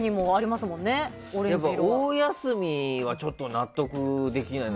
大休みはちょっと納得できないな。